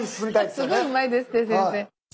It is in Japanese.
すごいうまいです先生。